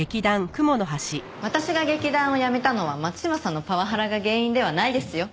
私が劇団を辞めたのは松島さんのパワハラが原因ではないですよ。